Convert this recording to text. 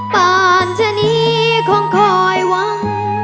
ป่านชะนีคงคอยหวัง